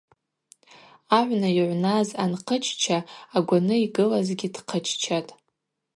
Агӏвна йыгӏвназ анхъычча, агваны йгылазгьи дхъыччатӏ.